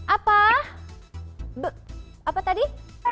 apa apa tadi